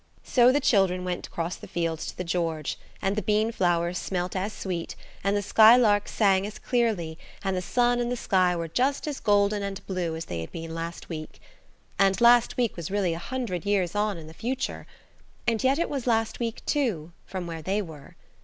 So the children went down across the fields to the "George," and the bean flowers smelt as sweet, and the skylarks sang as clearly, and the sun and the sky were just as golden and blue as they had been last week. And last week was really a hundred years on in the future. And yet it was last week too–from where they were.